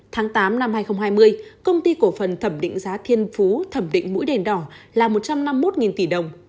tháng tám năm hai nghìn hai mươi công ty cổ phần thẩm định giá thiên phú thẩm định mũi đèn đỏ là một trăm năm mươi một tỷ đồng